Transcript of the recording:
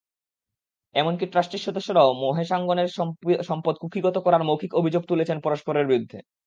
এমনকি ট্রাস্টির সদস্যরাও মহেশাঙ্গনের সম্পদ কুক্ষিগত করার মৌখিক অভিযোগ তুলছেন পরস্পরের বিরুদ্ধে।